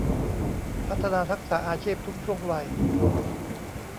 พัฒนาทักษะอาชีพทุกช่วงวัย